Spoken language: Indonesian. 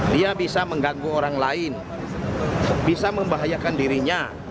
dia bisa mengganggu orang lain bisa membahayakan dirinya